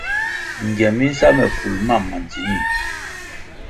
Ngiem mi nsa me ful mam ma ndzinih.